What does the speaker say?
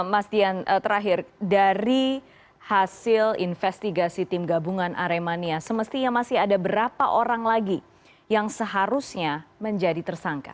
mas dian terakhir dari hasil investigasi tim gabungan aremania semestinya masih ada berapa orang lagi yang seharusnya menjadi tersangka